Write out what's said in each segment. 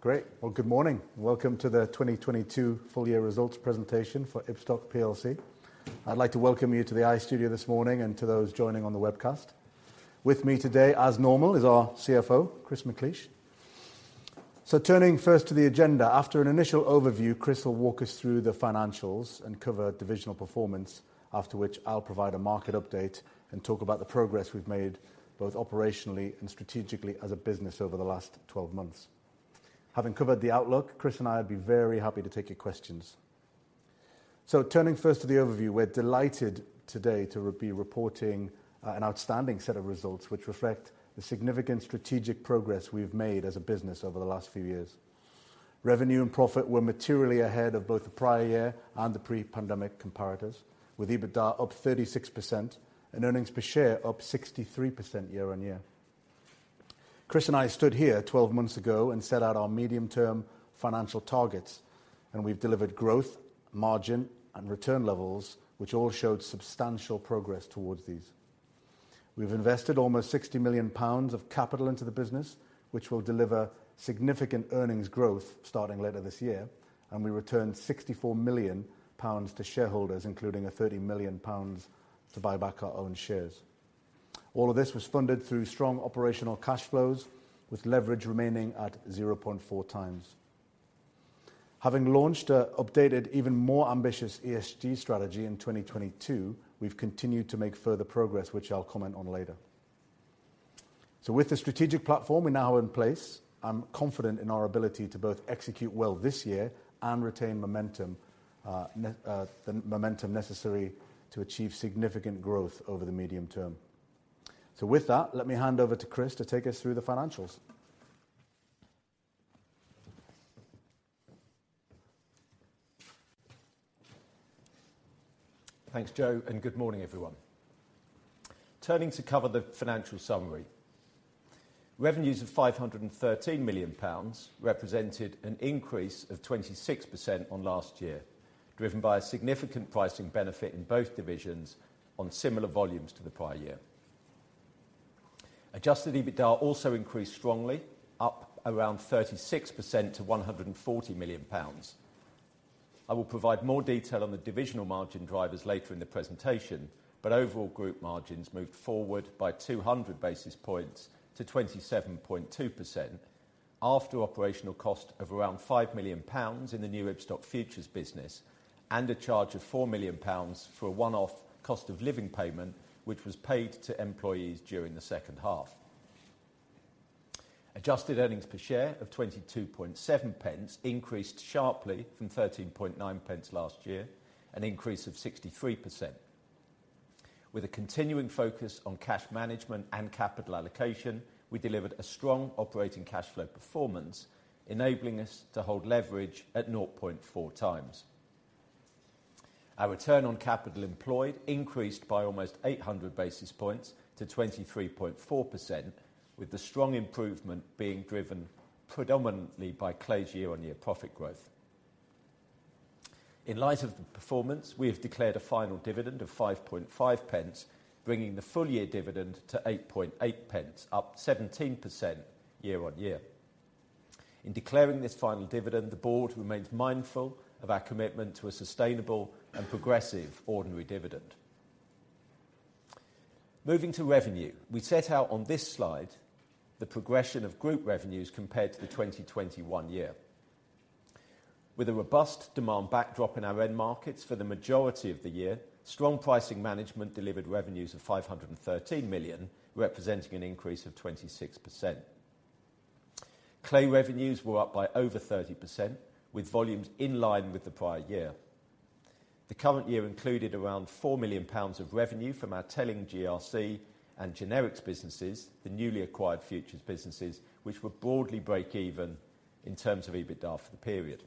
Great. Well, good morning. Welcome to the 2022 full year results presentation for Ibstock plc. I'd like to welcome you to the I-Studio this morning and to those joining on the webcast. With me today, as normal, is our CFO, Chris McLeish. Turning first to the agenda, after an initial overview, Chris will walk us through the financials and cover divisional performance. After which I'll provide a market update and talk about the progress we've made both operationally and strategically as a business over the last 12 months. Having covered the outlook, Chris and I will be very happy to take your questions. Turning first to the overview, we're delighted today to be reporting an outstanding set of results which reflect the significant strategic progress we've made as a business over the last few years. Revenue and profit were materially ahead of both the prior year and the pre-pandemic comparators. With EBITDA up 36% and earnings per share up 63% year-on-year. Chris McLeish and I stood here 12 months ago and set out our medium term financial targets, and we've delivered growth, margin, and return levels which all showed substantial progress towards these. We've invested almost 60 million pounds of capital into the business, which will deliver significant earnings growth starting later this year, and we returned 64 million pounds to shareholders, including a 30 million pounds to buy back our own shares. All of this was funded through strong operational cash flows, with leverage remaining at 0.4 times. Having launched an updated, even more ambitious ESG strategy in 2022, we've continued to make further progress, which I'll comment on later. With the strategic platform we now have in place, I'm confident in our ability to both execute well this year and retain the momentum necessary to achieve significant growth over the medium term. With that, let me hand over to Chris to take us through the financials. Thanks, Joe, and good morning, everyone. Turning to cover the financial summary. Revenues of 513 million pounds represented an increase of 26% on last year, driven by a significant pricing benefit in both divisions on similar volumes to the prior year. Adjusted EBITDA also increased strongly, up around 36% to 140 million pounds. I will provide more detail on the divisional margin drivers later in the presentation, but overall group margins moved forward by 200 basis points to 27.2% after operational cost of around 5 million pounds in the new Ibstock Futures business and a charge of 4 million pounds for a one-off cost of living payment, which was paid to employees during the H2. Adjusted earnings per share of 0.227 increased sharply from 0.139 last year, an increase of 63%. With a continuing focus on cash management and capital allocation, we delivered a strong operating cash flow performance, enabling us to hold leverage at 0.4x. Our return on capital employed increased by almost 800 basis points to 23.4%, with the strong improvement being driven predominantly by clay's year-on-year profit growth. In light of the performance, we have declared a final dividend of 0.055, bringing the full year dividend to 0.088, up 17% year-on-year. In declaring this final dividend, the board remains mindful of our commitment to a sustainable and progressive ordinary dividend. Moving to revenue. We set out on this slide the progression of group revenues compared to the 2021 year. With a robust demand backdrop in our end markets for the majority of the year, strong pricing management delivered revenues of 513 million, representing an increase of 26%. Clay revenues were up by over 30%, with volumes in line with the prior year. The current year included around 4 million pounds of revenue from our Telling GRC and Generics businesses, the newly acquired futures businesses which were broadly break even in terms of EBITDA for the period.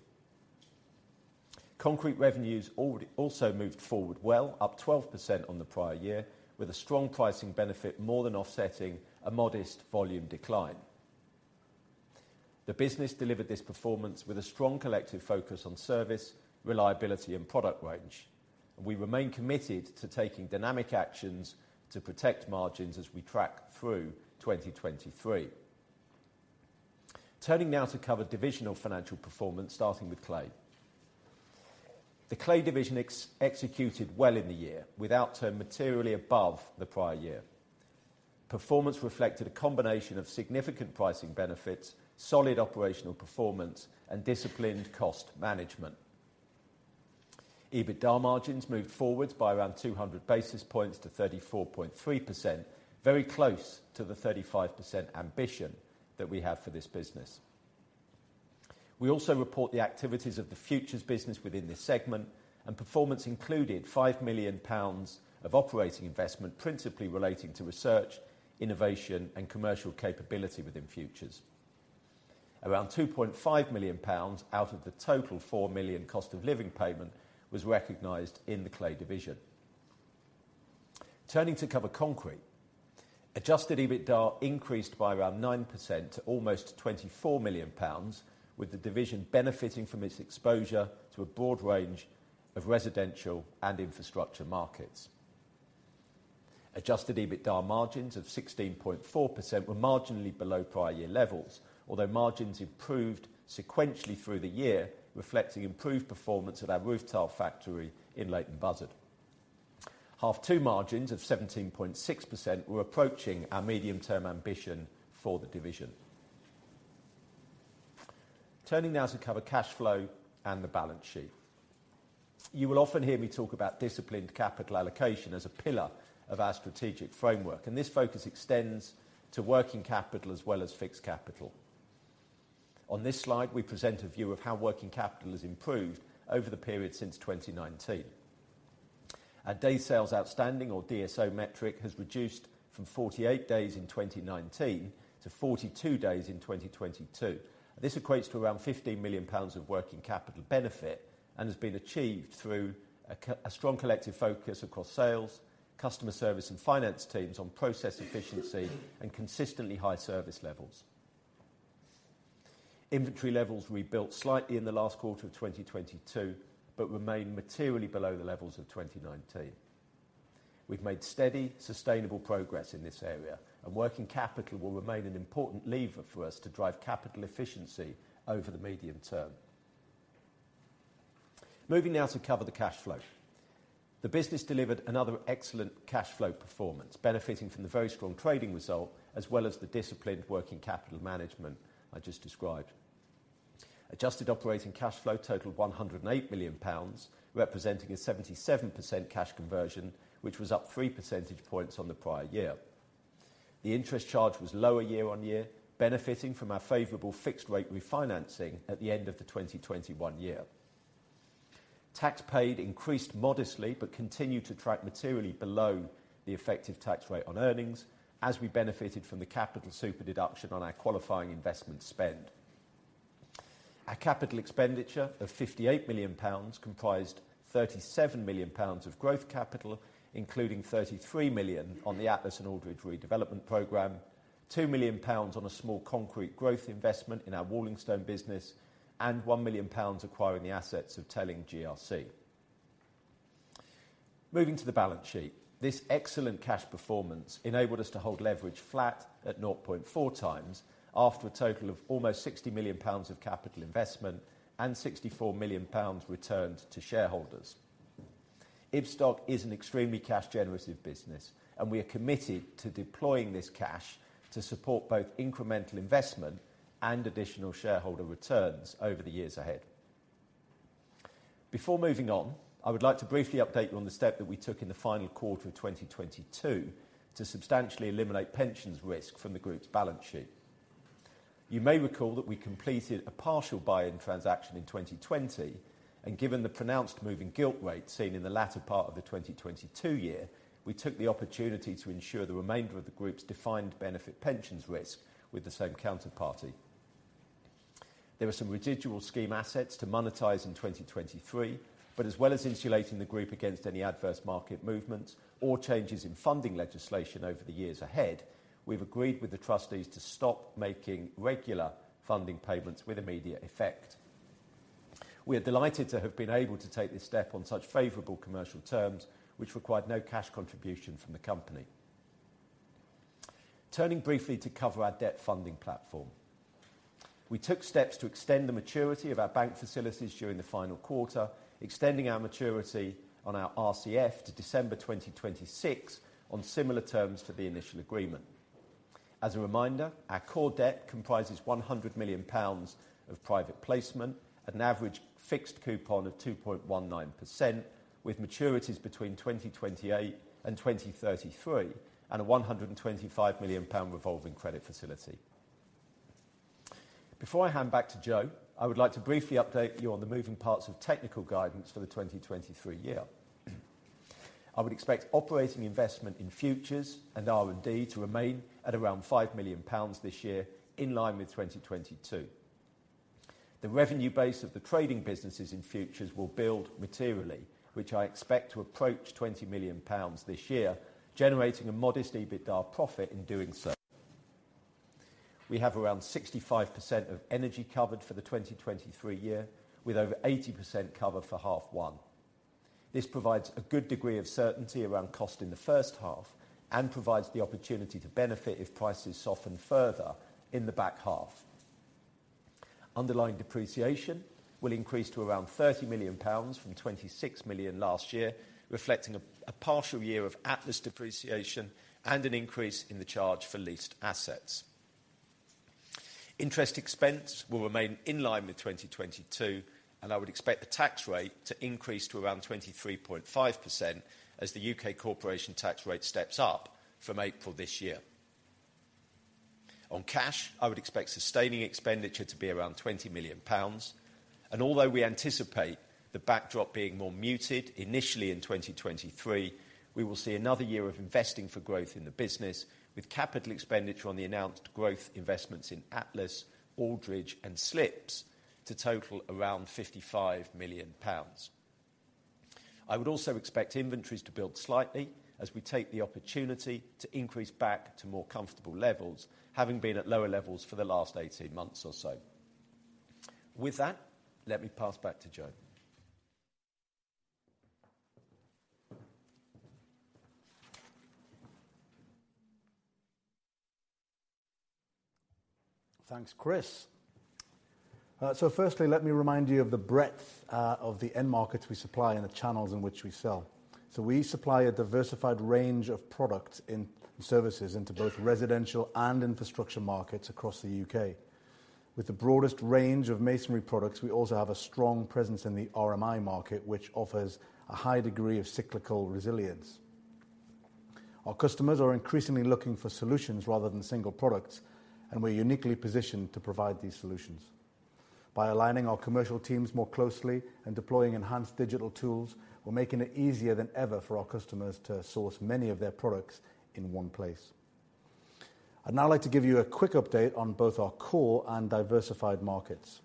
Concrete revenues also moved forward well, up 12% on the prior year, with a strong pricing benefit more than offsetting a modest volume decline. The business delivered this performance with a strong collective focus on service, reliability and product range. We remain committed to taking dynamic actions to protect margins as we track through 2023. Turning now to cover divisional financial performance, starting with clay. The clay division executed well in the year without turn materially above the prior year. Performance reflected a combination of significant pricing benefits, solid operational performance, and disciplined cost management. EBITDA margins moved forward by around 200 basis points to 34.3%, very close to the 35% ambition that we have for this business. We also report the activities of the futures business within this segment, and performance included 5 million pounds of operating investment, principally relating to research, innovation and commercial capability within futures. Around 2.5 million pounds out of the total 4 million cost of living payment was recognized in the clay division. Turning to cover concrete. Adjusted EBITDA increased by around 9% to almost 24 million pounds, with the division benefiting from its exposure to a broad range of residential and infrastructure markets. Adjusted EBITDA margins of 16.4% were marginally below prior year levels, although margins improved sequentially through the year, reflecting improved performance of our roof tile factory in Leighton Buzzard. Half two margins of 17.6% were approaching our medium-term ambition for the division. Turning now to cover cash flow and the balance sheet. You will often hear me talk about disciplined capital allocation as a pillar of our strategic framework. This focus extends to working capital as well as fixed capital. On this slide, we present a view of how working capital has improved over the period since 2019. Our days sales outstanding, or DSO metric, has reduced from 48 days in 2019 to 42 days in 2022. This equates to around 15 million pounds of working capital benefit and has been achieved through a strong collective focus across sales, customer service and finance teams on process efficiency and consistently high service levels. Inventory levels rebuilt slightly in the last quarter of 2022, but remain materially below the levels of 2019. We've made steady, sustainable progress in this area, and working capital will remain an important lever for us to drive capital efficiency over the medium term. Moving now to cover the cash flow. The business delivered another excellent cash flow performance, benefiting from the very strong trading result as well as the disciplined working capital management I just described. Adjusted operating cash flow totaled 108 million pounds, representing a 77% cash conversion, which was up 3 percentage points on the prior year. The interest charge was lower year-on-year, benefiting from our favorable fixed rate refinancing at the end of the 2021 year. Tax paid increased modestly, but continued to track materially below the effective tax rate on earnings as we benefited from the capital super-deduction on our qualifying investment spend. Our capital expenditure of GBP 58 million comprised GBP 37 million of growth capital, including GBP 33 million on the Atlas and Aldridge redevelopment program, GBP 2 million on a small concrete growth investment in our Walling Stone business, and GBP 1 million acquiring the assets of Telling GRC. Moving to the balance sheet. This excellent cash performance enabled us to hold leverage flat at 0.4 times after a total of almost 60 million pounds of capital investment and 64 million pounds returned to shareholders. Ibstock is an extremely cash generative business, and we are committed to deploying this cash to support both incremental investment and additional shareholder returns over the years ahead. Before moving on, I would like to briefly update you on the step that we took in the final quarter of 2022 to substantially eliminate pensions risk from the group's balance sheet. You may recall that we completed a partial buy-in transaction in 2020. Given the pronounced move in gilt rates seen in the latter part of the 2022 year, we took the opportunity to insure the remainder of the group's defined benefit pensions risk with the same counterparty. There were some residual scheme assets to monetize in 2023. As well as insulating the group against any adverse market movements or changes in funding legislation over the years ahead, we've agreed with the trustees to stop making regular funding payments with immediate effect. We are delighted to have been able to take this step on such favorable commercial terms, which required no cash contribution from the company. Turning briefly to cover our debt funding platform. We took steps to extend the maturity of our bank facilities during the final quarter, extending our maturity on our RCF to December 2026 on similar terms to the initial agreement. As a reminder, our core debt comprises 100 million pounds of private placement at an average fixed coupon of 2.19%, with maturities between 2028 and 2033 and a 125 million pound revolving credit facility. Before I hand back to Joe, I would like to briefly update you on the moving parts of technical guidance for the 2023 year. I would expect operating investment in Futures and R&D to remain at around 5 million pounds this year, in line with 2022. The revenue base of the trading businesses in Futures will build materially, which I expect to approach 20 million pounds this year, generating a modest EBITDA profit in doing so. We have around 65% of energy covered for the 2023 year, with over 80% cover for half one. This provides a good degree of certainty around cost in the H1 and provides the opportunity to benefit if prices soften further in the back half. Underlying depreciation will increase to around 30 million pounds from 26 million last year, reflecting a partial year of Atlas depreciation and an increase in the charge for leased assets. Interest expense will remain in line with 2022. I would expect the tax rate to increase to around 23.5% as the U.K. corporation tax rate steps up from April this year. On cash, I would expect sustaining expenditure to be around 20 million pounds. Although we anticipate the backdrop being more muted initially in 2023, we will see another year of investing for growth in the business, with capital expenditure on the announced growth investments in Atlas, Aldridge, and Slips to total around 55 million pounds. I would also expect inventories to build slightly as we take the opportunity to increase back to more comfortable levels, having been at lower levels for the last 18 months or so. With that, let me pass back to Joe. Thanks, Chris. Firstly, let me remind you of the breadth of the end markets we supply and the channels in which we sell. We supply a diversified range of products in services into both residential and infrastructure markets across the U.K. With the broadest range of masonry products, we also have a strong presence in the RMI market, which offers a high degree of cyclical resilience. Our customers are increasingly looking for solutions rather than single products. We're uniquely positioned to provide these solutions. By aligning our commercial teams more closely and deploying enhanced digital tools, we're making it easier than ever for our customers to source many of their products in one place. I'd now like to give you a quick update on both our core and diversified markets.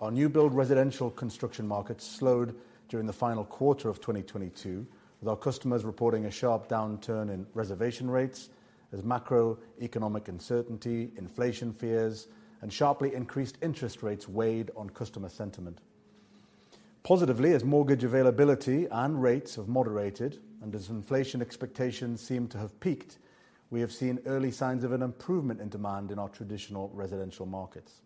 Our new build residential construction markets slowed during the final quarter of 2022, with our customers reporting a sharp downturn in reservation rates as macroeconomic uncertainty, inflation fears, and sharply increased interest rates weighed on customer sentiment. Positively, as mortgage availability and rates have moderated, and as inflation expectations seem to have peaked, we have seen early signs of an improvement in demand in our traditional residential markets.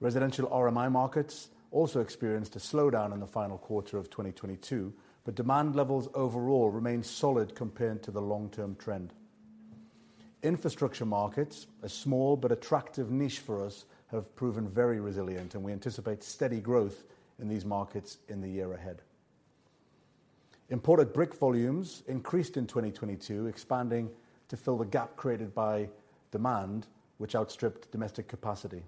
Residential RMI markets also experienced a slowdown in the final quarter of 2022, but demand levels overall remain solid compared to the long-term trend. Infrastructure markets, a small but attractive niche for us, have proven very resilient, and we anticipate steady growth in these markets in the year ahead. Imported brick volumes increased in 2022, expanding to fill the gap created by demand, which outstripped domestic capacity.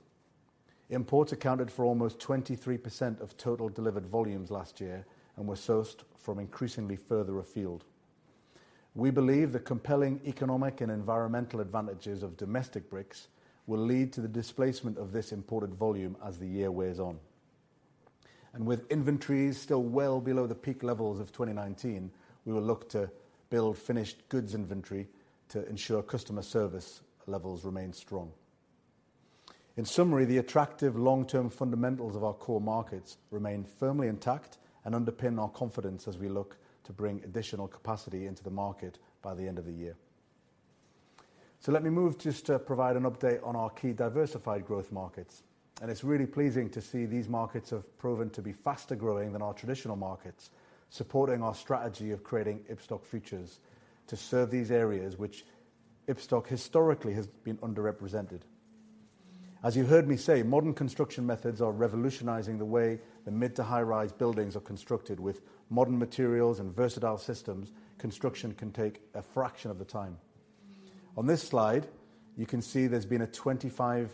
Imports accounted for almost 23% of total delivered volumes last year and were sourced from increasingly further afield. We believe the compelling economic and environmental advantages of domestic bricks will lead to the displacement of this imported volume as the year wears on. With inventories still well below the peak levels of 2019, we will look to build finished goods inventory to ensure customer service levels remain strong. In summary, the attractive long-term fundamentals of our core markets remain firmly intact and underpin our confidence as we look to bring additional capacity into the market by the end of the year. Let me move just to provide an update on our key diversified growth markets. It's really pleasing to see these markets have proven to be faster-growing than our traditional markets, supporting our strategy of creating Ibstock Futures to serve these areas which Ibstock historically has been underrepresented. As you heard me say, modern construction methods are revolutionizing the way the mid to high-rise buildings are constructed with modern materials and versatile systems, construction can take a fraction of the time. On this slide, you can see there's been a 25%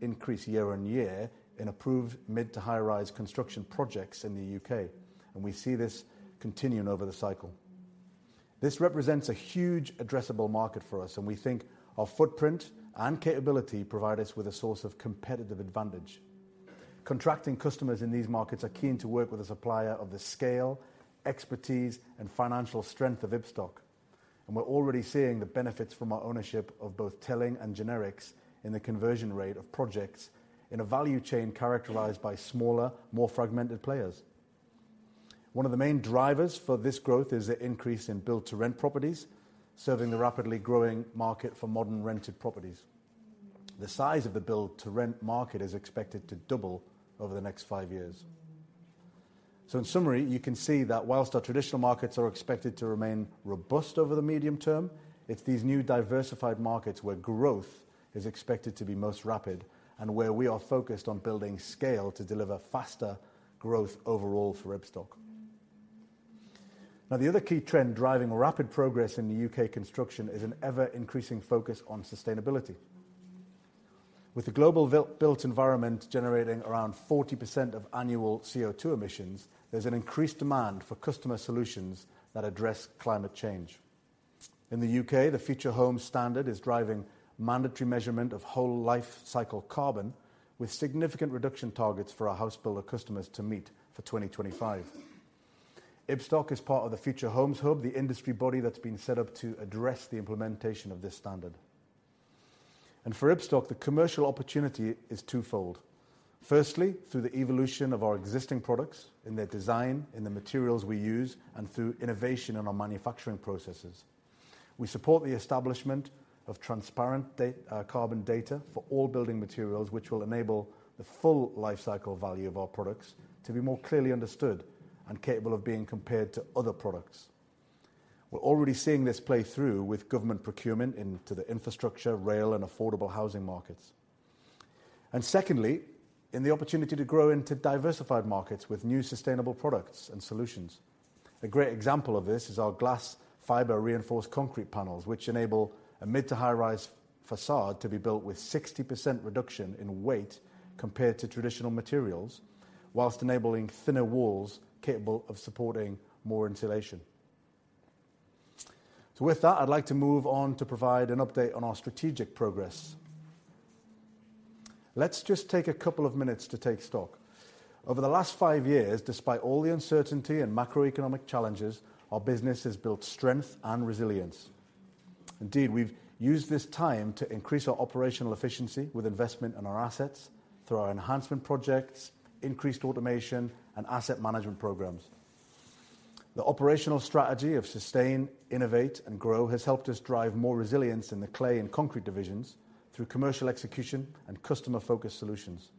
increase year-over-year in approved mid to high-rise construction projects in the U.K. We see this continuing over the cycle. This represents a huge addressable market for us. We think our footprint and capability provide us with a source of competitive advantage. Contracting customers in these markets are keen to work with a supplier of the scale, expertise, and financial strength of Ibstock, and we're already seeing the benefits from our ownership of both Telling and Generics in the conversion rate of projects in a value chain characterized by smaller, more fragmented players. One of the main drivers for this growth is the increase in build-to-rent properties, serving the rapidly growing market for modern rented properties. The size of the build-to-rent market is expected to double over the next 5 years. In summary, you can see that whilst our traditional markets are expected to remain robust over the medium term, it's these new diversified markets where growth is expected to be most rapid and where we are focused on building scale to deliver faster growth overall for Ibstock. The other key trend driving rapid progress in the U.K. construction is an ever-increasing focus on sustainability. With the global built environment generating around 40% of annual CO2 emissions, there's an increased demand for customer solutions that address climate change. In the U.K., the Future Homes Standard is driving mandatory measurement of whole lifecycle carbon with significant reduction targets for our house builder customers to meet for 2025. Ibstock is part of the Future Homes Hub, the industry body that's been set up to address the implementation of this standard. For Ibstock, the commercial opportunity is twofold. Firstly, through the evolution of our existing products in their design, in the materials we use, and through innovation in our manufacturing processes. We support the establishment of transparent carbon data for all building materials, which will enable the full lifecycle value of our products to be more clearly understood and capable of being compared to other products. We're already seeing this play through with government procurement into the infrastructure, rail, and affordable housing markets. Secondly, in the opportunity to grow into diversified markets with new sustainable products and solutions. A great example of this is our glass fiber reinforced concrete panels, which enable a mid to high-rise facade to be built with 60% reduction in weight compared to traditional materials, while enabling thinner walls capable of supporting more insulation. With that, I'd like to move on to provide an update on our strategic progress. Let's just take a couple of minutes to take stock. Over the last 5 years, despite all the uncertainty and macroeconomic challenges, our business has built strength and resilience. Indeed, we've used this time to increase our operational efficiency with investment in our assets through our enhancement projects, increased automation, and asset management programs. The operational strategy of sustain, innovate, and grow has helped us drive more resilience in the clay and concrete divisions through commercial execution and customer-focused solutions.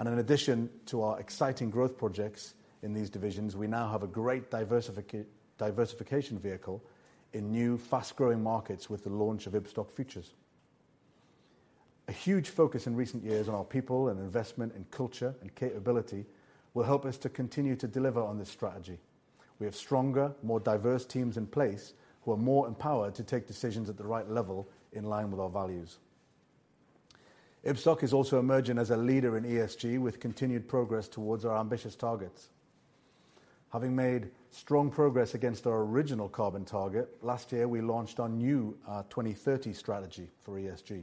In addition to our exciting growth projects in these divisions, we now have a great diversification vehicle in new, fast-growing markets with the launch of Ibstock Futures. A huge focus in recent years on our people and investment in culture and capability will help us to continue to deliver on this strategy. We have stronger, more diverse teams in place who are more empowered to take decisions at the right level in line with our values. Ibstock is also emerging as a leader in ESG, with continued progress towards our ambitious targets. Having made strong progress against our original carbon target, last year, we launched our new 2030 strategy for ESG.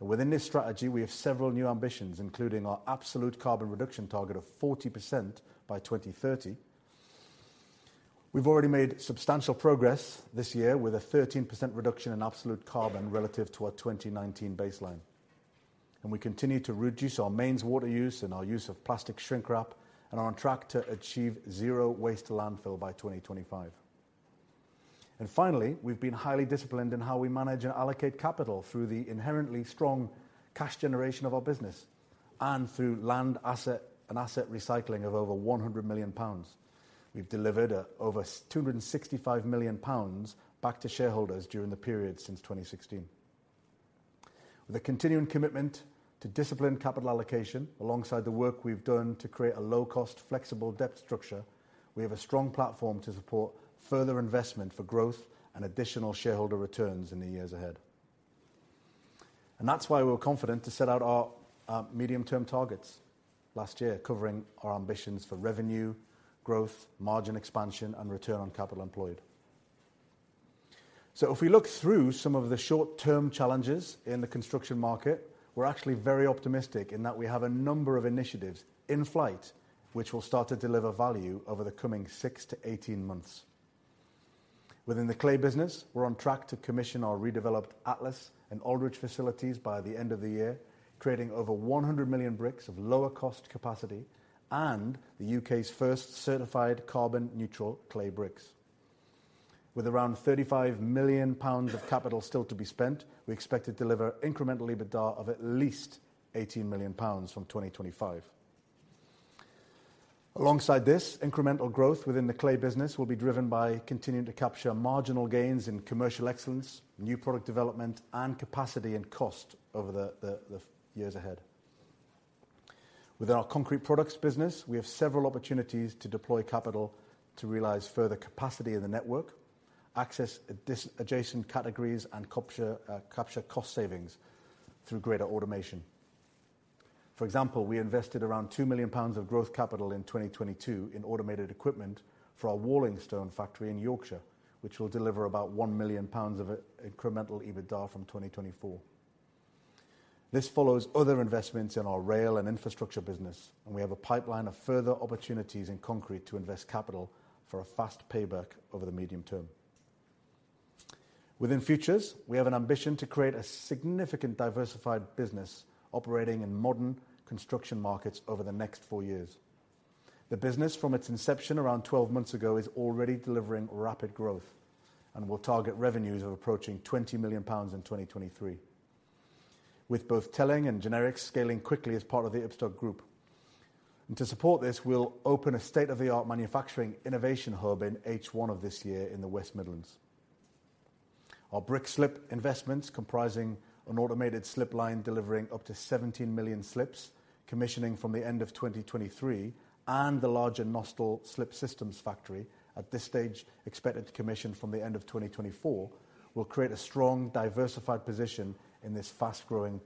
Within this strategy, we have several new ambitions, including our absolute carbon reduction target of 40% by 2030. We've already made substantial progress this year with a 13% reduction in absolute carbon relative to our 2019 baseline. We continue to reduce our mains water use and our use of plastic shrink wrap and are on track to achieve zero waste to landfill by 2025. Finally, we've been highly disciplined in how we manage and allocate capital through the inherently strong cash generation of our business and through land asset and asset recycling of over 100 million pounds. We've delivered over 265 million pounds back to shareholders during the period since 2016. With a continuing commitment to disciplined capital allocation, alongside the work we've done to create a low-cost, flexible debt structure, we have a strong platform to support further investment for growth and additional shareholder returns in the years ahead. That's why we were confident to set out our medium-term targets last year, covering our ambitions for revenue, growth, margin expansion, and return on capital employed. If we look through some of the short-term challenges in the construction market, we're actually very optimistic in that we have a number of initiatives in flight which will start to deliver value over the coming 6-18 months. Within the clay business, we're on track to commission our redeveloped Atlas and Aldridge facilities by the end of the year, creating over 100 million bricks of lower cost capacity and the U.K.'s first certified carbon neutral clay bricks. With around 35 million pounds of capital still to be spent, we expect to deliver incremental EBITDA of at least 18 million pounds from 2025. Alongside this, incremental growth within the clay business will be driven by continuing to capture marginal gains in commercial excellence, new product development, and capacity and cost over the years ahead. Within our concrete products business, we have several opportunities to deploy capital to realize further capacity in the network, access this adjacent categories and capture cost savings through greater automation. For example, we invested around 2 million pounds of growth capital in 2022 in automated equipment for our Walling Stone factory in Yorkshire, which will deliver about 1 million pounds of incremental EBITDA from 2024. This follows other investments in our rail and infrastructure business. We have a pipeline of further opportunities in concrete to invest capital for a fast payback over the medium term. Within Futures, we have an ambition to create a significant diversified business operating in modern construction markets over the next 4 years. The business, from its inception around 12 months ago, is already delivering rapid growth and will target revenues of approaching 20 million pounds in 2023, with both Telling and Generics scaling quickly as part of the Ibstock Group. To support this, we'll open a state-of-the-art manufacturing innovation hub in H1 of this year in the West Midlands. Our brick slip investments, comprising an automated slip line delivering up to 17 million slips, commissioning from the end of 2023, and the larger Nostell slip systems factory, at this stage, expected to commission from the end of 2024, will create a strong diversified position in this fast-growing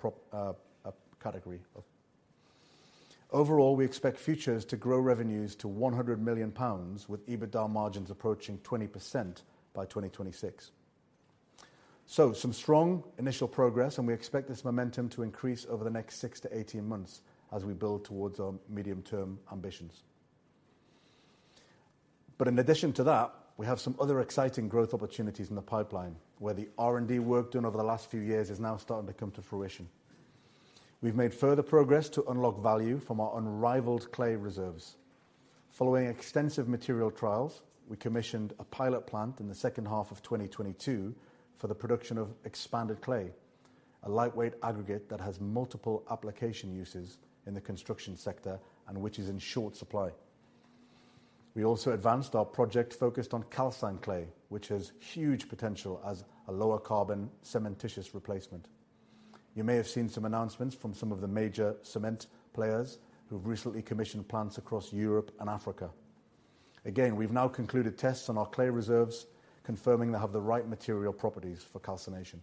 category. Overall, we expect Futures to grow revenues to 100 million pounds, with EBITDA margins approaching 20% by 2026. Some strong initial progress, and we expect this momentum to increase over the next 6 to 18 months as we build towards our medium-term ambitions. In addition to that, we have some other exciting growth opportunities in the pipeline, where the R&D work done over the last few years is now starting to come to fruition. We've made further progress to unlock value from our unrivaled clay reserves. Following extensive material trials, we commissioned a pilot plant in the H2 of 2022 for the production of expanded clay, a lightweight aggregate that has multiple application uses in the construction sector and which is in short supply. We also advanced our project focused on calcined clay, which has huge potential as a lower carbon cementitious replacement. You may have seen some announcements from some of the major cement players who've recently commissioned plants across Europe and Africa. We've now concluded tests on our clay reserves, confirming they have the right material properties for calcination.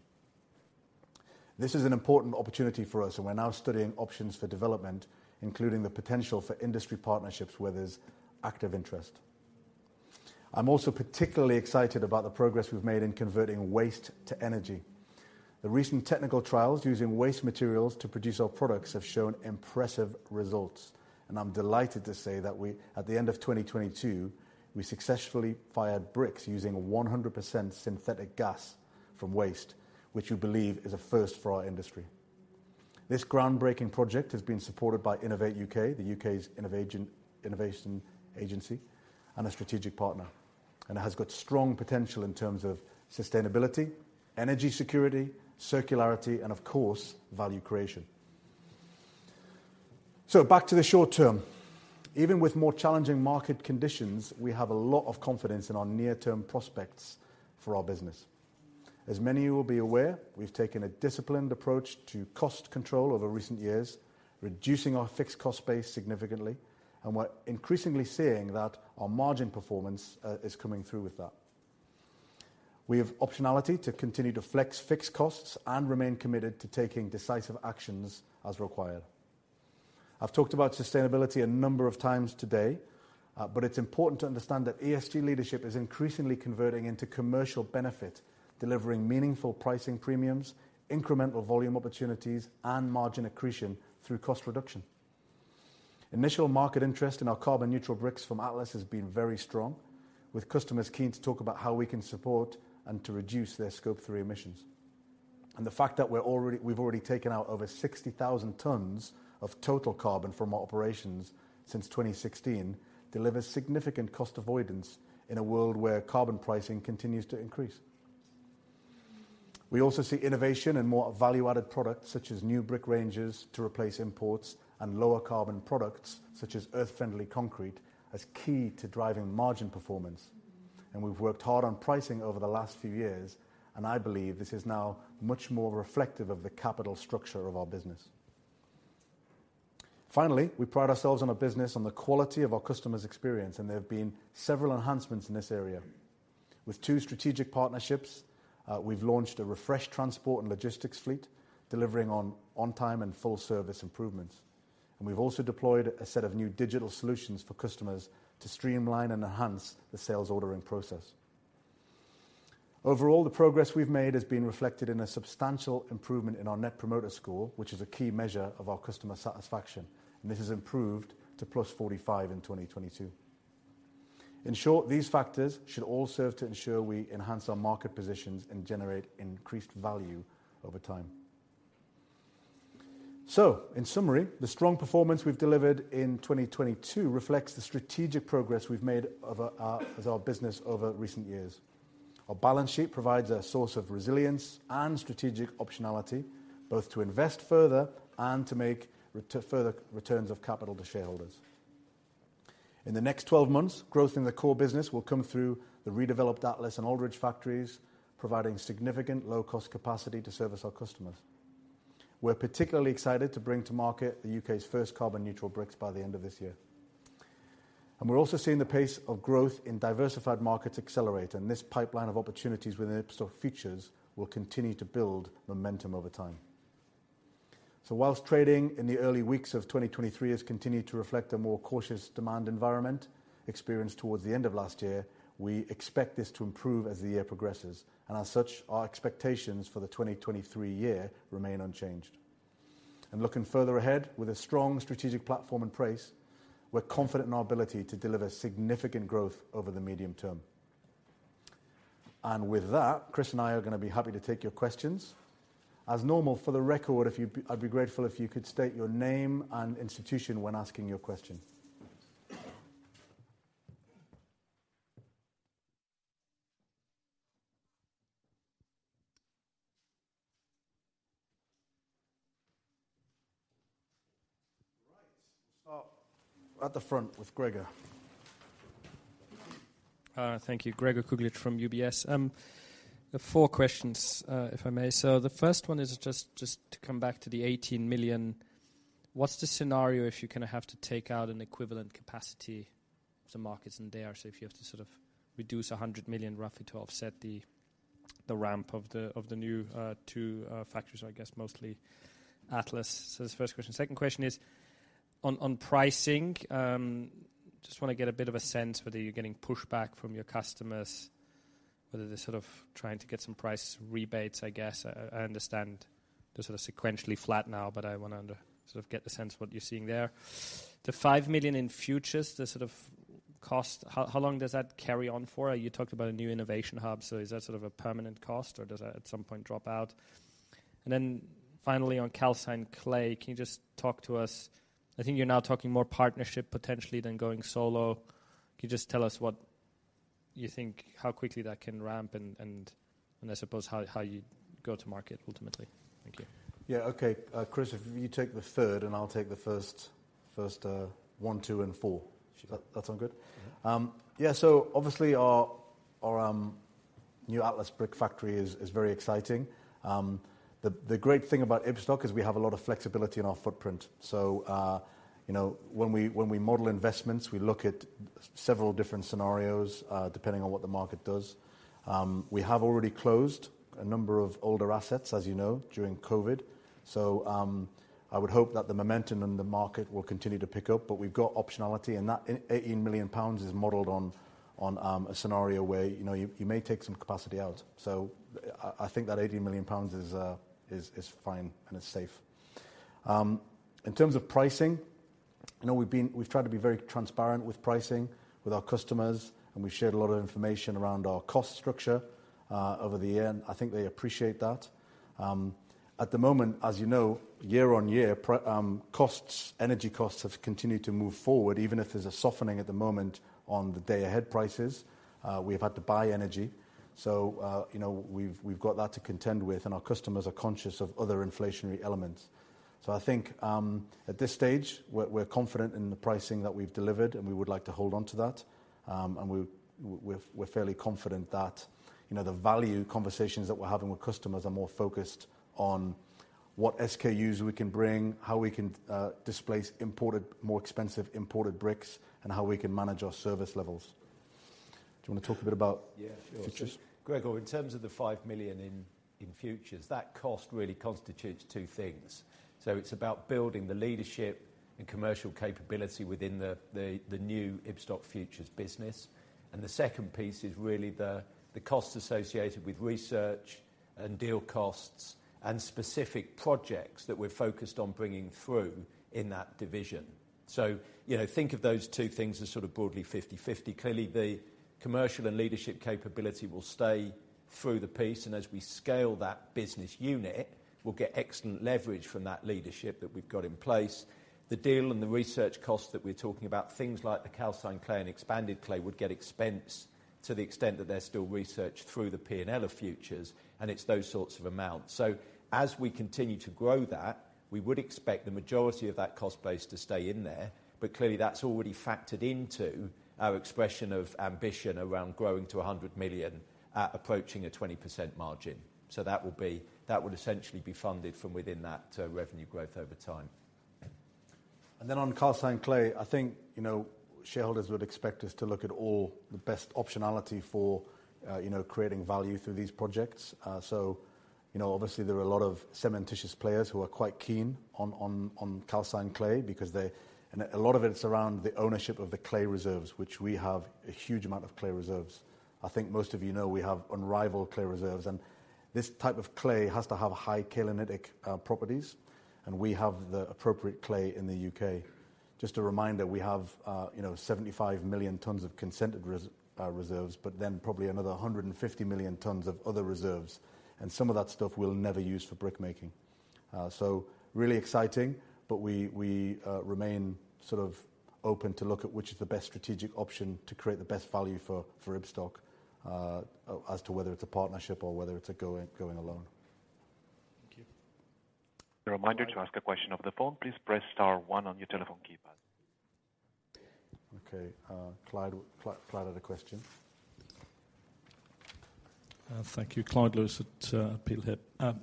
This is an important opportunity for us, and we're now studying options for development, including the potential for industry partnerships where there's active interest. I'm also particularly excited about the progress we've made in converting waste to energy. The recent technical trials using waste materials to produce our products have shown impressive results, and I'm delighted to say that at the end of 2022, we successfully fired bricks using 100% synthetic gas from waste, which we believe is a first for our industry. This groundbreaking project has been supported by Innovate U.K. The U.K.'s innovation agency, and a strategic partner, and it has got strong potential in terms of sustainability, energy security, circularity, and of course, value creation. Back to the short term. Even with more challenging market conditions, we have a lot of confidence in our near-term prospects for our business. As many of you will be aware, we've taken a disciplined approach to cost control over recent years, reducing our fixed cost base significantly, and we're increasingly seeing that our margin performance is coming through with that. We have optionality to continue to flex fixed costs and remain committed to taking decisive actions as required. I've talked about sustainability a number of times today, but it's important to understand that ESG leadership is increasingly converting into commercial benefit, delivering meaningful pricing premiums, incremental volume opportunities, and margin accretion through cost reduction. Initial market interest in our carbon neutral bricks from Atlas has been very strong, with customers keen to talk about how we can support and to reduce their Scope 3 emissions. The fact that we've already taken out over 60,000 tons of total carbon from our operations since 2016 delivers significant cost avoidance in a world where carbon pricing continues to increase. We also see innovation and more value-added products such as new brick ranges to replace imports and lower carbon products such as Earth Friendly Concrete as key to driving margin performance. We've worked hard on pricing over the last few years, and I believe this is now much more reflective of the capital structure of our business. Finally, we pride ourselves on our business on the quality of our customers' experience, and there have been several enhancements in this area. With 2 strategic partnerships, we've launched a refreshed transport and logistics fleet, delivering on on-time and full-service improvements. We've also deployed a set of new digital solutions for customers to streamline and enhance the sales ordering process. Overall, the progress we've made has been reflected in a substantial improvement in our Net Promoter Score, which is a key measure of our customer satisfaction. This has improved to +45 in 2022. In short, these factors should all serve to ensure we enhance our market positions and generate increased value over time. In summary, the strong performance we've delivered in 2022 reflects the strategic progress we've made as our business over recent years. Our balance sheet provides a source of resilience and strategic optionality, both to invest further and to make to further returns of capital to shareholders. In the next 12 months, growth in the core business will come through the redeveloped Atlas and Aldridge factories, providing significant low-cost capacity to service our customers. We're particularly excited to bring to market the U.K.'s first carbon neutral bricks by the end of this year. We're also seeing the pace of growth in diversified markets accelerate, and this pipeline of opportunities within Ibstock Futures will continue to build momentum over time. Whilst trading in the early weeks of 2023 has continued to reflect a more cautious demand environment experienced towards the end of last year, we expect this to improve as the year progresses, and as such, our expectations for the 2023 year remain unchanged. Looking further ahead, with a strong strategic platform in place, we're confident in our ability to deliver significant growth over the medium term. With that, Chris and I are going to be happy to take your questions. As normal, for the record, I'd be grateful if you could state your name and institution when asking your question. Right. We'll start at the front with Gregor. Thank you. Gregor Kuglitsch from UBS. 4 questions, if I may. The first one is just to come back to the 18 million. What's the scenario if you kinda have to take out an equivalent capacity to markets in there? If you have to sort of reduce 100 million roughly to offset the ramp of the new 2 factories, I guess mostly Atlas. That's the first question. Second question is on pricing. Just wanna get a bit of a sense whether you're getting pushback from your customers, whether they're sort of trying to get some price rebates, I guess. I understand they're sort of sequentially flat now, but I wanna sort of get the sense what you're seeing there. The 5 million in Futures, the sort of cost, how long does that carry on for? You talked about a new innovation hub, is that sort of a permanent cost or does that at some point drop out? Finally on calcined clay, can you just talk to us... I think you're now talking more partnership potentially than going solo. Can you just tell us what you think, how quickly that can ramp and I suppose how you go to market ultimately? Thank you. Yeah. Okay. Chris, if you take the third and I'll take the first, 1, 2 and 4. Sure. That sound good? Obviously our new Atlas brick factory is very exciting. The great thing about Ibstock is we have a lot of flexibility in our footprint. You know, when we model investments, we look at several different scenarios, depending on what the market does. We have already closed a number of older assets, as you know, during COVID. I would hope that the momentum in the market will continue to pick up, but we've got optionality and that 18 million pounds is modeled on a scenario where, you know, you may take some capacity out. I think that 18 million pounds is fine and it's safe. In terms of pricing. You know, we've tried to be very transparent with pricing with our customers, and we've shared a lot of information around our cost structure over the year, and I think they appreciate that. At the moment, as you know, year on year costs, energy costs have continued to move forward, even if there's a softening at the moment on the day-ahead prices. We've had to buy energy. You know, we've got that to contend with, and our customers are conscious of other inflationary elements. I think at this stage, we're confident in the pricing that we've delivered, and we would like to hold on to that. We're fairly confident that, you know, the value conversations that we're having with customers are more focused on what SKUs we can bring, how we can displace more expensive imported bricks, and how we can manage our service levels. Do you wanna talk a bit about? Yeah, sure. Just- Gregor, in terms of the 5 million in futures, that cost really constitutes 2 things. It's about building the leadership and commercial capability within the new Ibstock Futures business. The second piece is really the costs associated with research and deal costs and specific projects that we're focused on bringing through in that division. You know, think of those 2 things as sort of broadly 50/50. Clearly, the commercial and leadership capability will stay through the piece, and as we scale that business unit, we'll get excellent leverage from that leadership that we've got in place. The deal and the research costs that we're talking about, things like the calcined clay and expanded clay would get expensed to the extent that they're still researched through the P&L of futures, and it's those sorts of amounts. As we continue to grow that, we would expect the majority of that cost base to stay in there. Clearly, that's already factored into our expression of ambition around growing to 100 million at approaching a 20% margin. That would essentially be funded from within that revenue growth over time. On calcined clay, I think, you know, shareholders would expect us to look at all the best optionality for, you know, creating value through these projects. You know, obviously there are a lot of cementitious players who are quite keen on calcined clay because they... A lot of it's around the ownership of the clay reserves, which we have a huge amount of clay reserves. I think most of you know we have unrivaled clay reserves. This type of clay has to have high kaolinitic properties, and we have the appropriate clay in the U.K. Just a reminder, we have, you know, 75 million tons of consented reserves, probably another 150 million tons of other reserves. Some of that stuff we'll never use for brick making. Really exciting, but we remain sort of open to look at which is the best strategic option to create the best value for Ibstock, as to whether it's a partnership or whether it's a going alone. Thank you. A reminder to ask a question over the phone. Please press star one on your telephone keypad. Okay. Clyde had a question. Thank you. Clyde Lewis at Peel Hunt.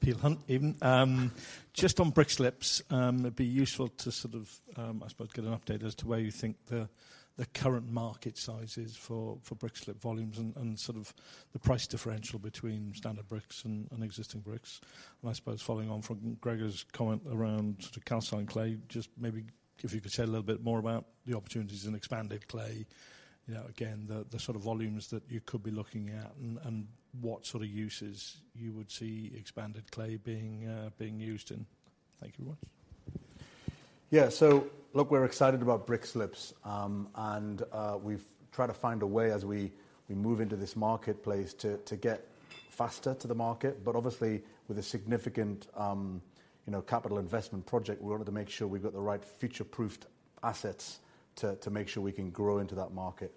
Peel Hunt, even. Just on brick slips, it'd be useful to sort of, I suppose, get an update as to where you think the current market size is for brick slip volumes and sort of the price differential between standard bricks and existing bricks. I suppose following on from Gregor's comment around the calcined clay, just maybe if you could say a little bit more about the opportunities in expanded clay, you know, again, the sort of volumes that you could be looking at and what sort of uses you would see expanded clay being used in. Thank you very much. Look, we're excited about brick slips. We've tried to find a way as we move into this marketplace to get faster to the market. Obviously, with a significant, you know, capital investment project, we wanted to make sure we've got the right future-proofed assets to make sure we can grow into that market.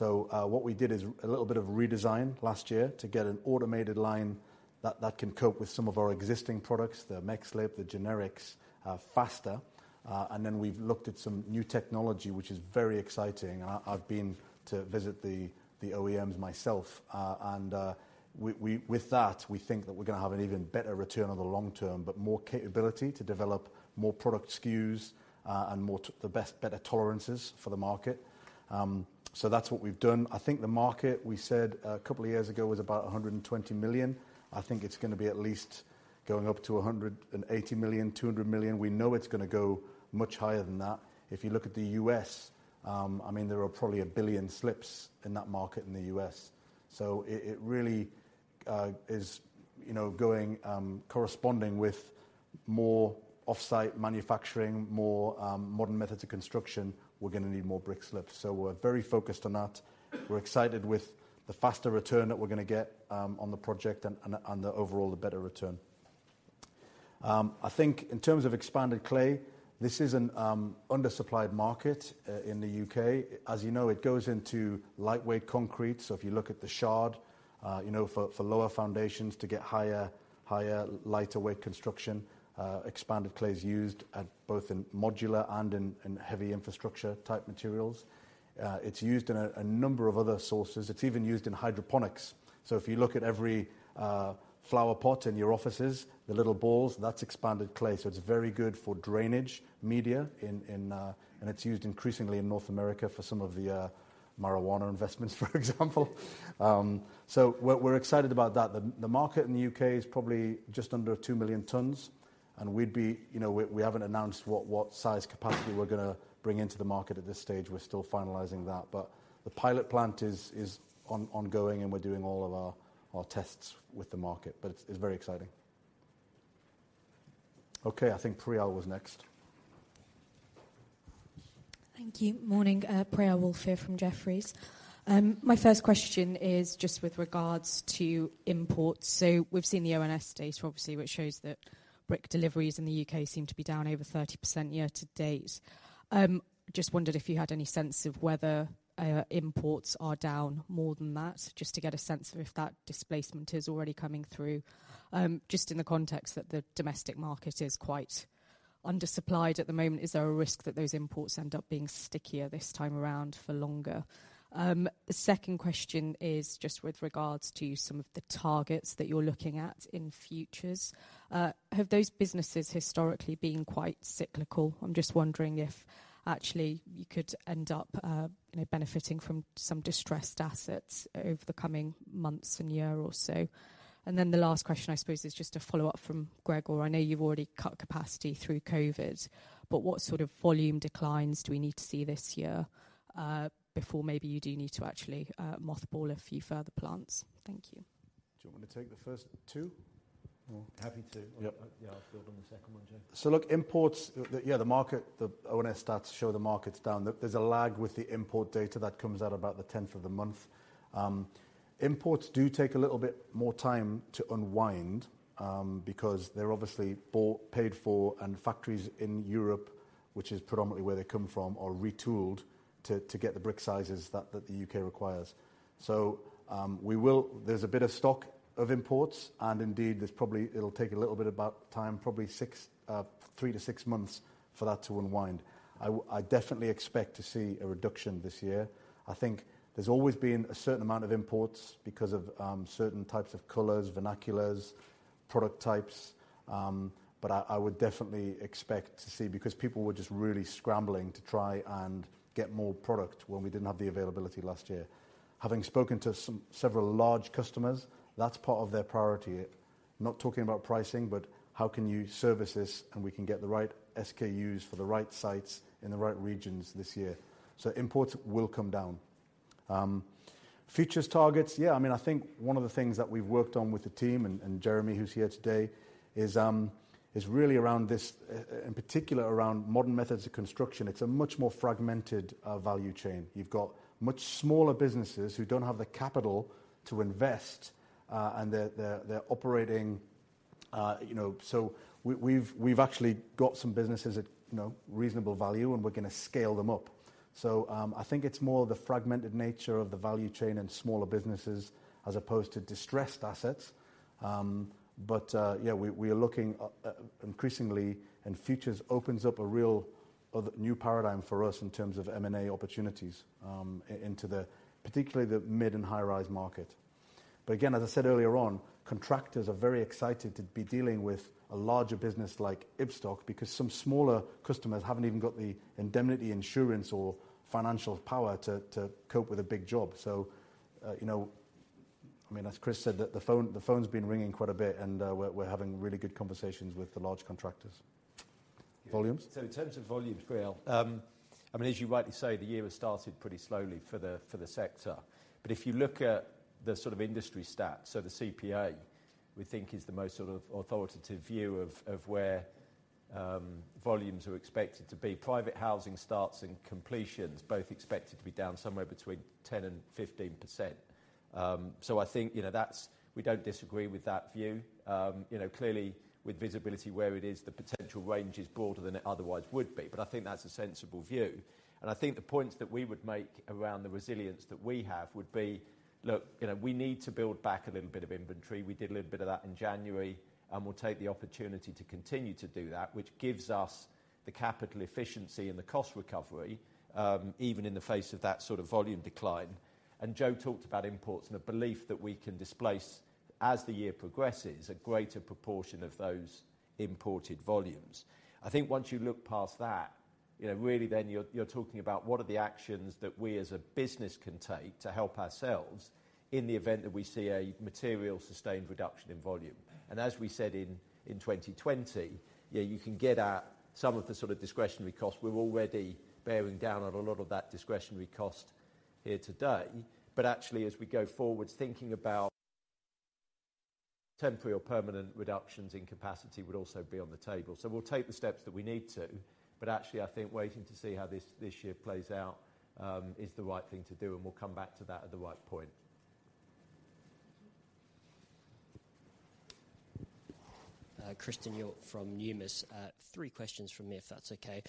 What we did is a little bit of redesign last year to get an automated line that can cope with some of our existing products, the MechSlip, the Generics, faster. Then we've looked at some new technology, which is very exciting. I've been to visit the OEMs myself. With that, we think that we're gonna have an even better return on the long term, but more capability to develop more product SKUs and the best, better tolerances for the market. That's what we've done. I think the market, we said a couple of years ago, was about 120 million. I think it's gonna be at least going up to 180 million, 200 million. We know it's gonna go much higher than that. If you look at the U.S., I mean, there are probably 1 billion brick slips in that market in the U.S. It really is, you know, going corresponding with more offsite manufacturing, more modern methods of construction. We're gonna need more brick slips. We're very focused on that. We're excited with the faster return that we're gonna get on the project and the overall better return. I think in terms of expanded clay, this is an undersupplied market in the U.K. As you know, it goes into lightweight concrete. If you look at the Shard, you know, for lower foundations to get higher, lighter weight construction, expanded clay is used at both in modular and heavy infrastructure-type materials. It's used in a number of other sources. It's even used in hydroponics. If you look at every flower pot in your offices, the little balls, that's expanded clay. It's very good for drainage media in. It's used increasingly in North America for some of the marijuana investments, for example. We're excited about that. The market in the U.K. is probably just under 2 million tons, and we'd be, you know, we haven't announced what size capacity we're gonna bring into the market at this stage. We're still finalizing that. The pilot plant is on-ongoing, and we're doing all of our tests with the market, but it's very exciting. Okay, I think Priyal was next. Thank you. Morning. Priyal Woolf here from Jefferies. My first question is just with regards to imports. We've seen the ONS data, obviously, which shows that brick deliveries in the U.K. seem to be down over 30% year-to-date. Just wondered if you had any sense of whether imports are down more than that, just to get a sense of if that displacement is already coming through. Just in the context that the domestic market is quite undersupplied at the moment, is there a risk that those imports end up being stickier this time around for longer? The second question is just with regards to some of the targets that you're looking at in Futures. Have those businesses historically been quite cyclical? I'm just wondering if actually you could end up, you know, benefiting from some distressed assets over the coming months and year or so. The last question, I suppose, is just a follow-up from Gregor. I know you've already cut capacity through COVID, but what sort of volume declines do we need to see this year, before maybe you do need to actually, mothball a few further plants? Thank you. Do you wanna take the first 2? Happy to. Yep. Yeah, I'll build on the second one, Joe. Look, imports, the market, the ONS stats show the market's down. There's a lag with the import data that comes out about the tenth of the month. Imports do take a little bit more time to unwind because they're obviously bought, paid for in factories in Europe, which is predominantly where they come from, are retooled to get the brick sizes that the U.K. requires. There's a bit of stock of imports, and indeed, there's probably, it'll take a little bit of that time, probably 6, 3 to 6 months for that to unwind. I definitely expect to see a reduction this year. I think there's always been a certain amount of imports because of certain types of colors, vernaculars, product types, I would definitely expect to see, because people were just really scrambling to try and get more product when we didn't have the availability last year. Having spoken to several large customers, that's part of their priority. Not talking about pricing, how can you service this, and we can get the right SKUs for the right sites in the right regions this year. Imports will come down. Futures targets, yeah, I mean, I think one of the things that we've worked on with the team, and Jeremy, who's here today, is really around this, in particular around modern methods of construction. It's a much more fragmented value chain. You've got much smaller businesses who don't have the capital to invest, and they're operating, you know. We've actually got some businesses at, you know, reasonable value, and we're gonna scale them up. I think it's more the fragmented nature of the value chain and smaller businesses as opposed to distressed assets. Yeah, we are looking increasingly, and Futures opens up a real other new paradigm for us in terms of M&A opportunities, into the particularly the mid and high-rise market. Again, as I said earlier on, contractors are very excited to be dealing with a larger business like Ibstock because some smaller customers haven't even got the indemnity insurance or financial power to cope with a big job. You know, I mean, as Chris said, the phone's been ringing quite a bit. We're having really good conversations with the large contractors. Volumes? In terms of volumes, Priyal, I mean, as you rightly say, the year has started pretty slowly for the sector. If you look at the sort of industry stats, the CPA, we think is the most sort of authoritative view of where volumes are expected to be. Private housing starts and completions both expected to be down somewhere between 10%-15%. I think, you know, that's, we don't disagree with that view. You know, clearly, with visibility where it is, the potential range is broader than it otherwise would be, but I think that's a sensible view. I think the points that we would make around the resilience that we have would be, look, you know, we need to build back a little bit of inventory. We did a little bit of that in January, and we'll take the opportunity to continue to do that, which gives us the capital efficiency and the cost recovery, even in the face of that sort of volume decline. Joe talked about imports and a belief that we can displace, as the year progresses, a greater proportion of those imported volumes. I think once you look past that, you know, really then you're talking about what are the actions that we as a business can take to help ourselves in the event that we see a material sustained reduction in volume. As we said in 2020, yeah, you can get at some of the sort of discretionary costs. We're already bearing down on a lot of that discretionary cost here today. Actually, as we go forward, thinking about temporary or permanent reductions in capacity would also be on the table. We'll take the steps that we need to, but actually I think waiting to see how this year plays out is the right thing to do, and we'll come back to that at the right point. Christian York from Numis. 3 questions from me, if that's okay.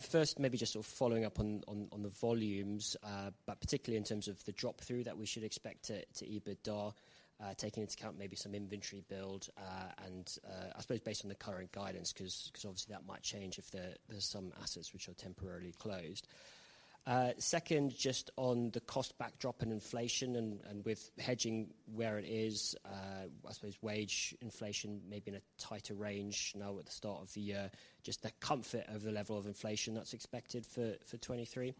First, maybe just sort of following up on the volumes, but particularly in terms of the drop-through that we should expect to EBITDA, taking into account maybe some inventory build, and I suppose based on the current guidance 'cause obviously that might change if there's some assets which are temporarily closed. Second, just on the cost backdrop and inflation and with hedging where it is, I suppose wage inflation maybe in a tighter range now at the start of the year, just the comfort of the level of inflation that's expected for 2023.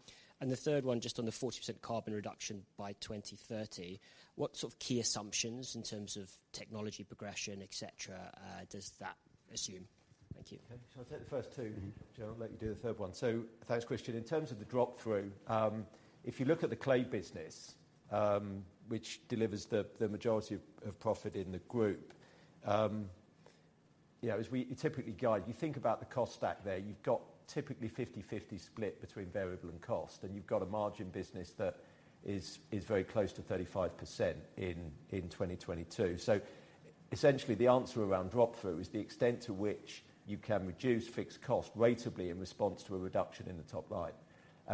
The third one, just on the 40% carbon reduction by 2030, what sort of key assumptions in terms of technology progression, et cetera, does that assume? Thank you. Okay. Shall I take the first 2? Mm-hmm. Joe, I'll let you do the third one. Thanks, Christian. In terms of the drop-through, if you look at the clay business, which delivers the majority of profit in the group. You know, as we typically guide, you think about the cost stack there, you've got typically 50/50 split between variable and cost, and you've got a margin business that is very close to 35% in 2022. Essentially, the answer around drop-through is the extent to which you can reduce fixed cost ratably in response to a reduction in the top line.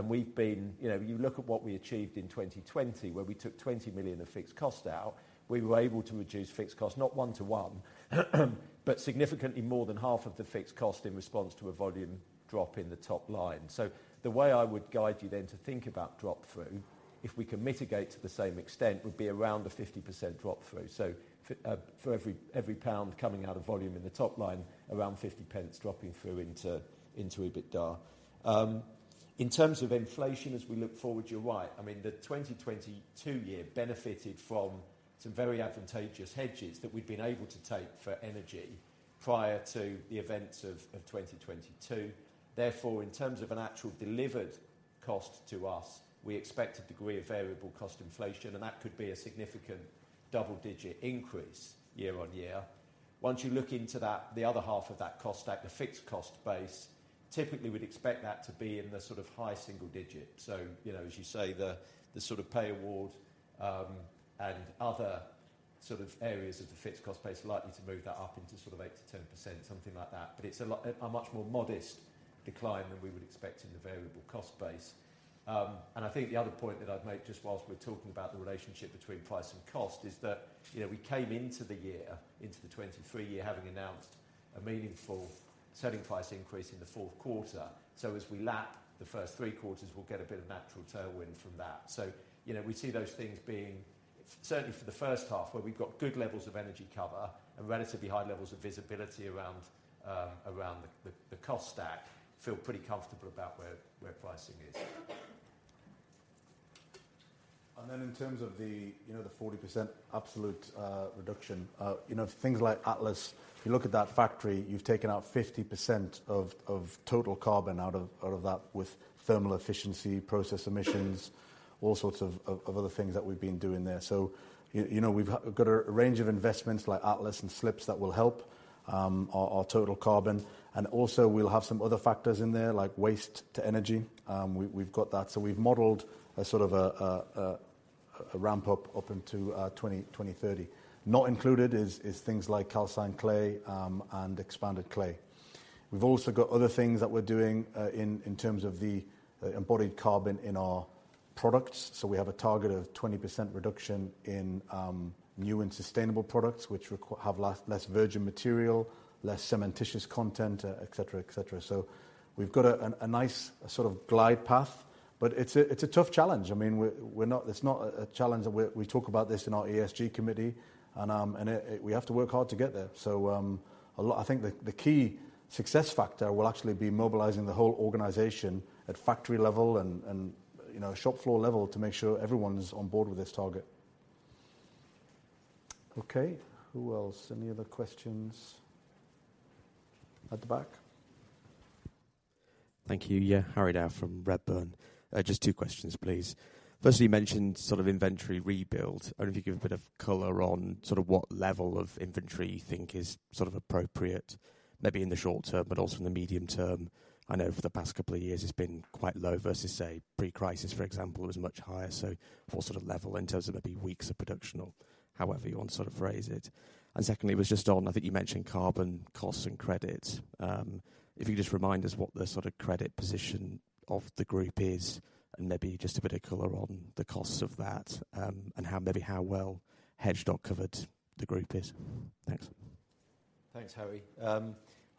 We've been, you know, you look at what we achieved in 2020, where we took 20 million of fixed cost out, we were able to reduce fixed cost, not one to one, but significantly more than half of the fixed cost in response to a volume drop in the top line. The way I would guide you then to think about drop-through, if we can mitigate to the same extent, would be around a 50% drop-through. For every GBP coming out of volume in the top line, around 50 pence dropping through into EBITDA. In terms of inflation, as we look forward, you're right. I mean, the 2022 year benefited from some very advantageous hedges that we'd been able to take for energy prior to the events of 2022. In terms of an actual delivered cost to us, we expect a degree of variable cost inflation. That could be a significant double-digit increase year-on-year. Once you look into that, the other half of that cost stack, the fixed cost base, typically we'd expect that to be in the sort of high single digit. You know, as you say, the sort of pay award and other sort of areas of the fixed cost base are likely to move that up into sort of 8%-10%, something like that. It's a much more modest decline than we would expect in the variable cost base. I think the other point that I'd make just whilst we're talking about the relationship between price and cost is that, you know, we came into the year, into the 2023 year, having announced a meaningful selling price increase in the Q4. As we lap the first 3 quarters, we'll get a bit of natural tailwind from that. You know, we see those things being, certainly for the H1, where we've got good levels of energy cover and relatively high levels of visibility around the, the cost stack, feel pretty comfortable about where pricing is. In terms of the, you know, the 40% absolute reduction, you know, things like Atlas, if you look at that factory, you've taken out 50% of total carbon out of that with thermal efficiency, process emissions, all sorts of other things that we've been doing there. You know, we've got a range of investments like Atlas and Nostell that will help our total carbon. We'll have some other factors in there, like waste to energy. We've got that. We've modeled a sort of a ramp up into 2030. Not included is things like calcined clay and expanded clay. We've also got other things that we're doing in terms of the embodied carbon in our products. We have a target of 20% reduction in new and sustainable products which have last less virgin material, less cementitious content, et cetera, et cetera. We've got a nice sort of glide path, but it's a tough challenge. I mean, we're not, it's not a challenge that we talk about this in our ESG committee and it, we have to work hard to get there. A lot, I think the key success factor will actually be mobilizing the whole organization at factory level and, you know, shop floor level to make sure everyone's on board with this target. Okay, who else? Any other questions? At the back. Thank you. Yeah, Harry Dow from Redburn. Just two questions, please. Firstly, you mentioned sort of inventory rebuild. I wonder if you can give a bit of color on sort of what level of inventory you think is sort of appropriate, maybe in the short term, but also in the medium term? I know for the past couple of years, it's been quite low versus, say, pre-crisis, for example, it was much higher. What sort of level in terms of maybe weeks of production or however you want to sort of phrase it. Secondly, it was just on, I think you mentioned carbon costs and credits. If you just remind us what the sort of credit position of the group is, and maybe just a bit of color on the costs of that, and how, maybe how well hedged or covered the group is. Thanks. Thanks, Harry.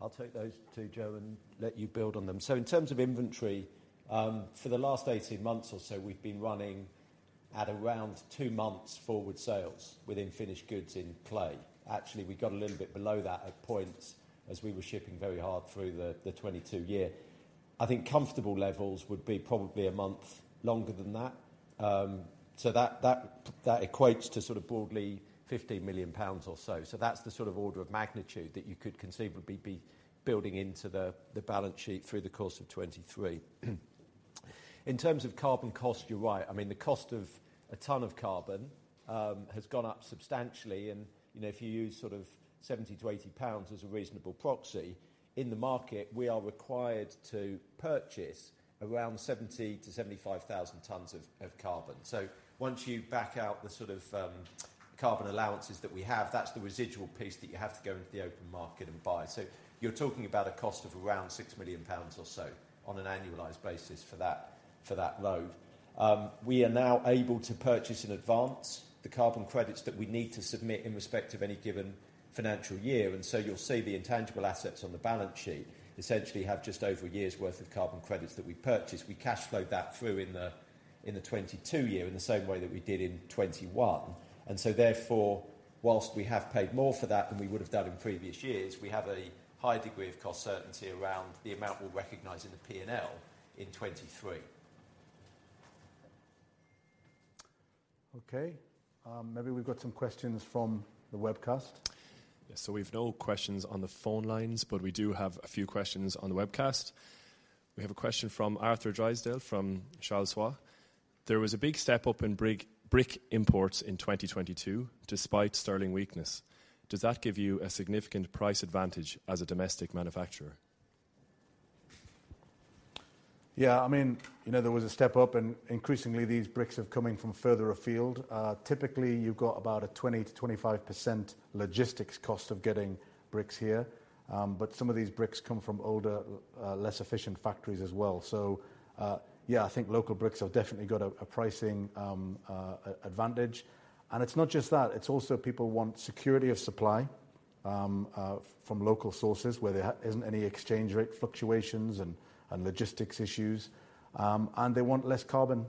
I'll take those 2, Joe, and let you build on them. In terms of inventory, for the last 18 months or so, we've been running at around 2 months forward sales within finished goods in clay. Actually, we got a little bit below that at points as we were shipping very hard through the 2022 year. I think comfortable levels would be probably 1 month longer than that. That equates to sort of broadly 50 million pounds or so. That's the sort of order of magnitude that you could conceivably be building into the balance sheet through the course of 2023. In terms of carbon cost, you're right. I mean, the cost of 1 ton of carbon has gone up substantially. You know, if you use sort of 70-80 pounds as a reasonable proxy, in the market, we are required to purchase around 70,000-75,000 tons of carbon. Once you back out the sort of carbon allowances that we have, that's the residual piece that you have to go into the open market and buy. You're talking about a cost of around 6 million pounds or so on an annualized basis for that load. We are now able to purchase in advance the carbon credits that we need to submit in respect of any given financial year. You'll see the intangible assets on the balance sheet essentially have just over a year's worth of carbon credits that we purchased. We cashflow that through in the 2022 year in the same way that we did in 2021. Whilst we have paid more for that than we would have done in previous years, we have a high degree of cost certainty around the amount we'll recognize in the P&L in 2023. Okay, maybe we've got some questions from the webcast. Yes. We've no questions on the phone lines, but we do have a few questions on the webcast. We have a question from Aynsley Lammin from Berenberg. There was a big step up in brick imports in 2022, despite sterling weakness. Does that give you a significant price advantage as a domestic manufacturer? Yeah, I mean, you know, there was a step up, and increasingly these bricks are coming from further afield. Typically, you've got about a 20%-25% logistics cost of getting bricks here. But some of these bricks come from older, less efficient factories as well. Yeah, I think local bricks have definitely got a pricing advantage. It's not just that. It's also people want security of supply from local sources where there isn't any exchange rate fluctuations and logistics issues. They want less carbon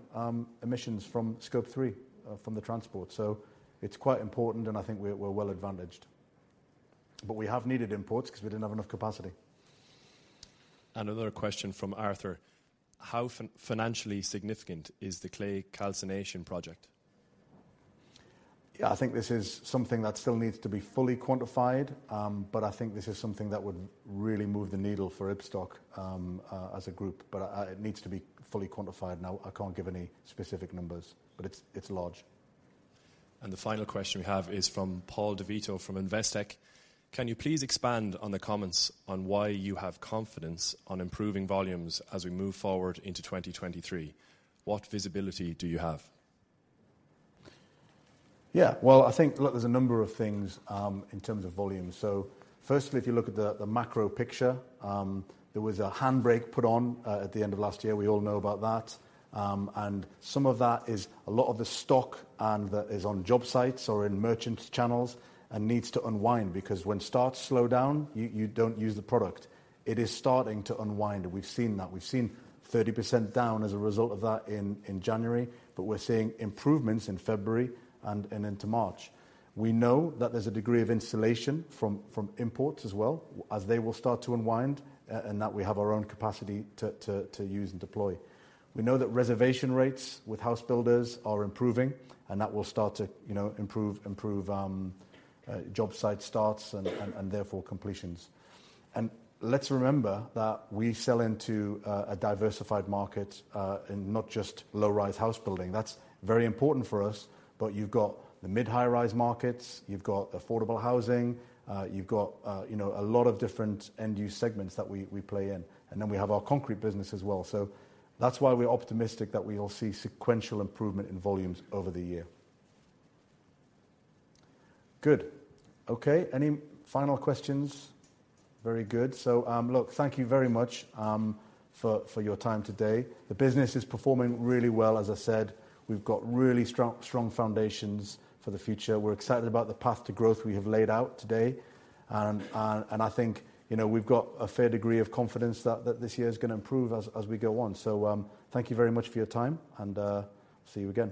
emissions from Scope 3 from the transport. It's quite important, and I think we're well-advantaged. We have needed imports 'cause we didn't have enough capacity. Another question from Arthur. How financially significant is the clay calcination project? Yeah, I think this is something that still needs to be fully quantified. I think this is something that would really move the needle for Ibstock, as a group. It needs to be fully quantified. Now, I can't give any specific numbers, but it's large. The final question we have is from Paul DeVito from Investec. Can you please expand on the comments on why you have confidence on improving volumes as we move forward into 2023? What visibility do you have? Yeah. Well, I think, look, there's a number of things in terms of volumes. Firstly, if you look at the macro picture, there was a handbrake put on at the end of last year. We all know about that. Some of that is a lot of the stock and that is on job sites or in merchant channels and needs to unwind because when starts slow down, you don't use the product. It is starting to unwind, and we've seen that. We've seen 30% down as a result of that in January, but we're seeing improvements in February and into March. We know that there's a degree of insulation from imports as well, as they will start to unwind, and that we have our own capacity to use and deploy. We know that reservation rates with house builders are improving. That will start to, you know, improve job site starts and, therefore, completions. Let's remember that we sell into a diversified market in not just low-rise house building. That's very important for us. You've got the mid, high-rise markets. You've got affordable housing. You've got, you know, a lot of different end-use segments that we play in, and then we have our concrete business as well. That's why we're optimistic that we will see sequential improvement in volumes over the year. Good. Okay. Any final questions? Very good. Look, thank you very much for your time today. The business is performing really well. As I said, we've got really strong foundations for the future. We're excited about the path to growth we have laid out today. I think, you know, we've got a fair degree of confidence that this year is gonna improve as we go on. Thank you very much for your time and, see you again.